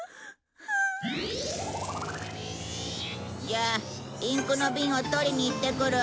じゃあインクのビンを取りに行ってくる。